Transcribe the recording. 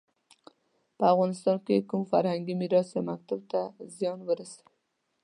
په افغانستان کې کوم فرهنګي میراث یا مکتب ته زیان ورسوي.